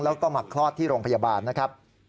แล้วก็มาคลอดที่โรงพยาบาลนะครับ